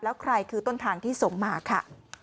แล้วใครคือต้นทางที่ส่งมาค่ะ